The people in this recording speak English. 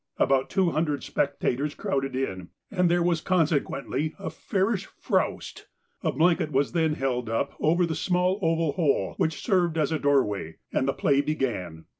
About two hundred spectators crowded in, and there was consequently a fairish 'froust.' A blanket was then held up over the small oval hole which served as a doorway, and the play began.